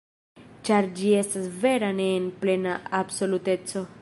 Ĉar ĝi estas vera ne en plena absoluteco.